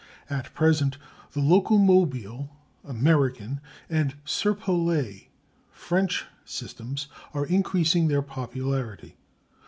At present the Locomobile (American) and Serpollet (French) systems are increasing their popularity.